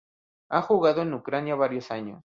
Ha jugado en Ucrania varios años.